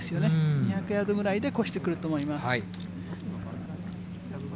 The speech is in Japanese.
２００ヤードぐらいで越してくると思います。